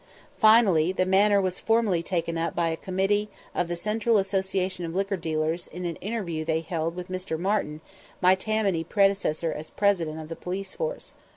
Finally the matter was formally taken up by a committee of the Central Association of Liquor Dealers in an interview they held with Mr. Martin, my Tammany predecessor as President of the police force.